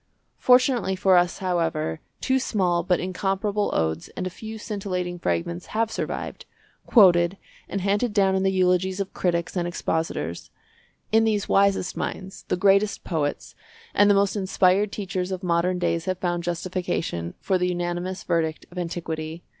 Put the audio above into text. Fortunately for us, however, two small but incomparable odes and a few scintillating fragments have survived, quoted and handed down in the eulogies of critics and expositors. In these the wisest minds, the greatest poets, and the most inspired teachers of modern days have found justification for the unanimous verdict of antiquity.